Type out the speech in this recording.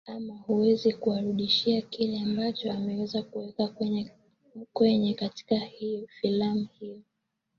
ama hawezi kuwarudishia kile ambacho ameweza kuweka kwenye katika filamu hiyo